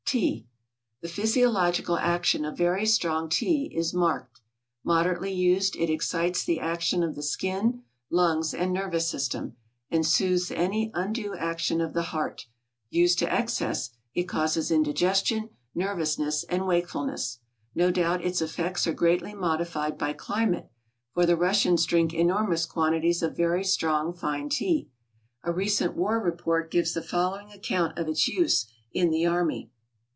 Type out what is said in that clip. =Tea.= The physiological action of very strong tea is marked; moderately used it excites the action of the skin, lungs, and nervous system, and soothes any undue action of the heart; used to excess, it causes indigestion, nervousness, and wakefulness. No doubt its effects are greatly modified by climate, for the Russians drink enormous quantities of very strong, fine tea. A recent war report gives the following account of its use in the army.